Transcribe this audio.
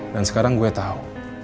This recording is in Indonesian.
dan sekarang gue tau